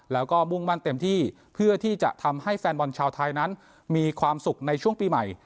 แล้วก็มุ่งมั่นเต็มที่เพื่อที่จะทำให้แฟนบอลชาวไทยนั้นมีความสุขในช่วงปีใหม่